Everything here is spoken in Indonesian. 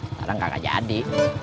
kadang kagak jadi